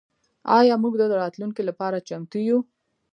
آیا موږ د راتلونکي لپاره چمتو یو؟